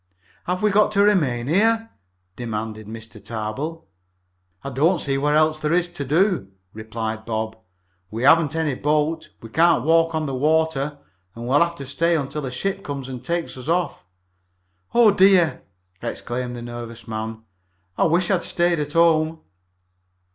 "Have we got to remain here?" demanded Mr. Tarbill. "I don't see what else there is to do," replied Bob. "We haven't any boat, we can't walk on the water, and we'll have to stay until a ship comes and takes us off." "Oh, dear!" exclaimed the nervous man. "I wish I had stayed at home!"